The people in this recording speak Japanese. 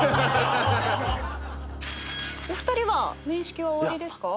お二人は面識はおありですか？